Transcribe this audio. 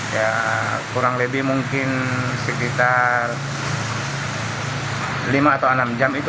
ya kurang lebih mungkin sekitar lima atau enam jam itu